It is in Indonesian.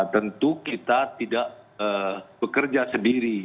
tentu kita tidak bekerja sendiri